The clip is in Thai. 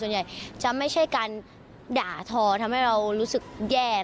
ส่วนใหญ่จะไม่ใช่การด่าทอทำให้เรารู้สึกแย่